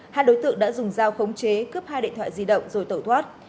hai đối tượng đã dùng dao khống chế cướp hai điện thoại di động rồi tẩu thoát